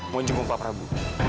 mohon jenguk pak prabu